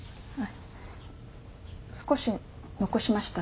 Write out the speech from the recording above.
少し残しました。